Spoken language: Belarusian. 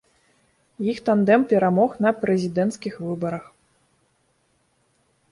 Іх тандэм перамог на прэзідэнцкіх выбарах.